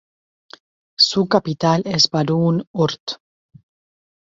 Su capital es Baruun-Urt.